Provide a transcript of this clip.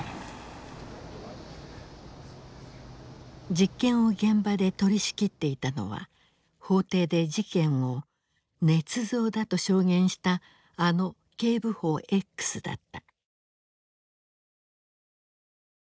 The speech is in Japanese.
実験を現場で取りしきっていたのは法廷で事件をねつ造だと証言したあの警部補Ｘだった。